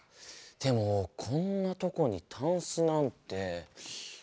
でもこんなとこにタンスなんて。